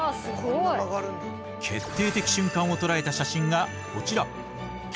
決定的瞬間を捉えた写真がこちら！